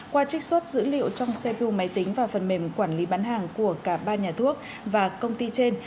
qua trích xuất dữ liệu trong xe blue máy tính và phần mềm quản lý bán hàng của cả ba nhà thuốc và công ty trên